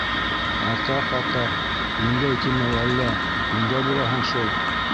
— Атаҡ, атаҡ, еңгәм тимәй әллә, еңгә булаһың шул.